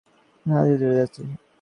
কিন্তু সুযোগটা হাতছাড়া হতে যাচ্ছে।